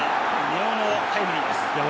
根尾のタイムリーです。